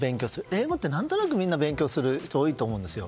英語って何となく勉強する人が多いと思うんですよ。